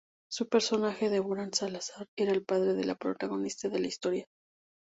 Su personaje, Deborah Salazar, era el padre de la protagonista de la historia.